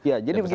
ya jadi begini